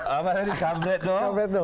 apa tadi kamretdo